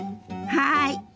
はい。